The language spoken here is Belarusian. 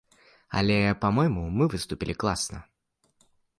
Але, па-мойму, мы выступілі класна.